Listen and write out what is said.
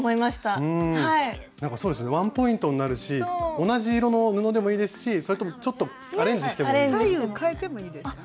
そうですねワンポイントになるし同じ色の布でもいいですしちょっとアレンジしてもいいですね。